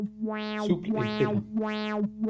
Souple et félin